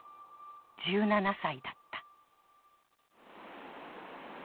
１７歳だった。